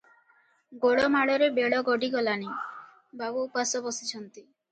ଗୋଳମାଳରେ ବେଳ ଗଡିଗଲାଣି, ବାବୁ ଉପାସ ବସିଛନ୍ତି ।